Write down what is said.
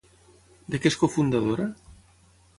De què és cofundadora?